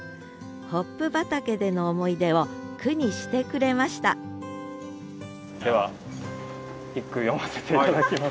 ホップ畑での思い出を句にしてくれましたでは一句詠ませて頂きます。